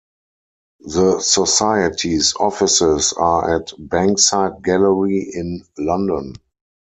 The Society's offices are at Bankside Gallery in London.